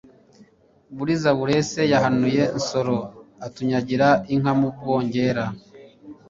Buriza burese yahanuye Nsoro, Atunyagira inka mu Bwongera,